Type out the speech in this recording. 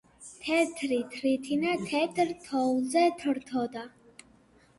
თეთრი თრითინა თეთრ თოვლზე თრთლოდა